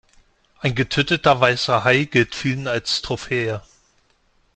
Ein getöteter weißer Hai gilt vielen als Trophäe.